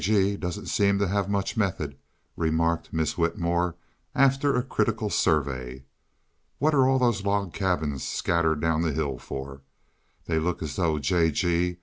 G. doesn't seem to have much method," remarked Miss Whitmore, after a critical survey. "What are all those log cabins scattered down the hill for? They look as though J. G.